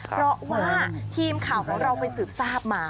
เพราะว่าทีมข่าวของเราไปสืบทราบมา